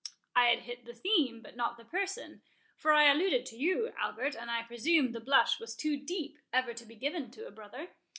I had hit the theme, but not the person; for I alluded to you, Albert; and I presume the blush was too deep ever to be given to a brother.